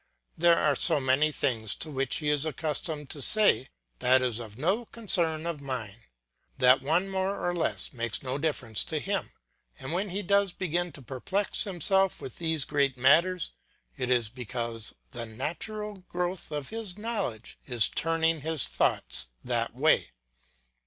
There are so many things of which he is accustomed to say, "That is no concern of mine," that one more or less makes little difference to him; and when he does begin to perplex himself with these great matters, it is because the natural growth of his knowledge is turning his thoughts that way.